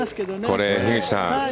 これ、樋口さん